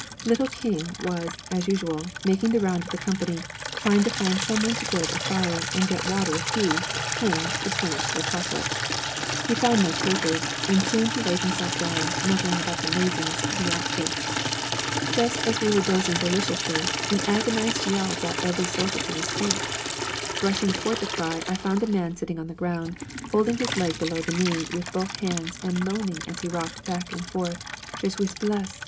Little King was, as usual, making the round of the company, trying to find some one to build a fire and get water if he, King, would furnish the chocolate. He found no takers and soon he laid himself down, muttering about the laziness of the outfit. Just as we were dozing deliciously, an agonized yell brought every soldier to his feet. Rushing toward the cry, I found a man sitting on the ground, holding his leg below the knee with both hands, and moaning as he rocked back and forth, 'Je suis blesse!